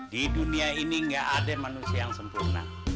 di dunia ini nggak ada manusia yang sempurna